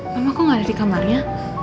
mama kok gak ada di kamarnya